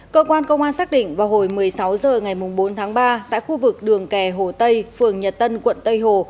cơ quan công an xác định vào hồi một mươi sáu h ngày bốn tháng ba tại khu vực đường kè hồ tây phường nhật tân quận tây hồ